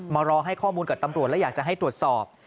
รอให้ข้อมูลกับตำรวจและอยากจะให้ตรวจสอบ